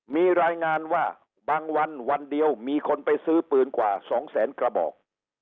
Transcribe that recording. มีรายงานว่าบางวันวันเดียวมีคนไปซื้อปืนกว่า๒แสนกระบอก